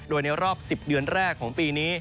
โดยในรอบ๑๐เดือนแรกของปีนี้